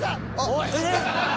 おい。